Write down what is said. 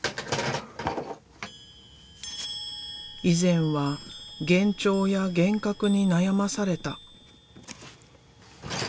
以前は幻聴や幻覚に悩まされた。